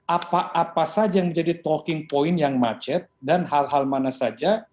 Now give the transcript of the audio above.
apa apa saja yang menjadi talking point yang macet dan hal hal mana saja